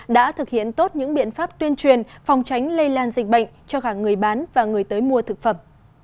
đã thực hiện tốt những biện pháp tuyên truyền phòng tránh lây lan dịch bệnh cho cả người bán và người tới mua thực phẩm